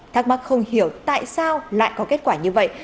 thắc mắc không hiểu tại sao lại có kết quả như vậy